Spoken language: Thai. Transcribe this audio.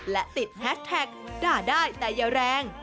และติดแฮชแท็กด่าได้แต่อย่าแรง